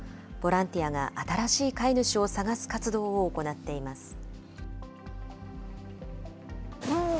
ボランティアが新しい飼い主を探す活動を行っています。